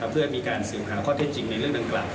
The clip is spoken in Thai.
เพื่อมีการสืบหาข้อเท็จจริงในเรื่องดังกล่าว